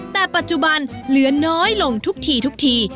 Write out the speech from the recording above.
แต่ปัจจุบันเหลือน้อยลงทุกทีทุกที